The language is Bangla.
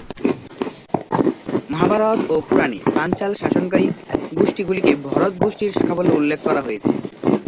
মহাভারত ও পুরাণে পাঞ্চাল শাসনকারী গোষ্ঠী গুলিকে ভরত গোষ্ঠীর শাখা বলেও উল্লেখ করা হয়েছে।